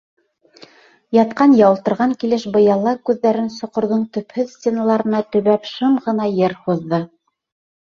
Ятҡан йә ултырған килеш быяла күҙҙәрен соҡорҙоң төпһөҙ стеналарына төбәп, шым ғына йыр һуҙҙы.